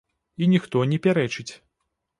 І ніхто не пярэчыць.